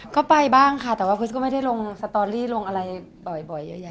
ก็ไปบ้างค่ะแต่ว่าคริสก็ไม่ได้ลงสตอรี่ลงอะไรบ่อยเยอะแยะ